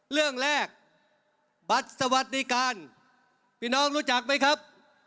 เรื่องแรกบัตรสวัสดิการพี่น้องรู้จักไหมครับ